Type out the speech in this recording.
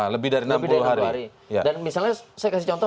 lebih dari enam puluh hari dan misalnya saya kasih contoh